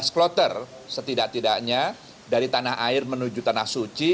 lima belas kloter setidak tidaknya dari tanah air menuju tanah suci